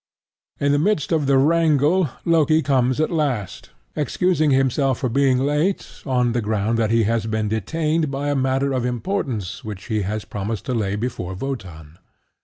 In the midst of the wrangle, Loki comes at last, excusing himself for being late on the ground that he has been detained by a matter of importance which he has promised to lay before Wotan.